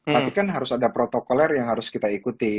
tapi kan harus ada protokoler yang harus kita ikuti